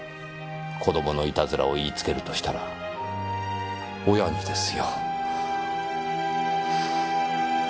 子供の悪戯を言いつけるとしたら親にですよ。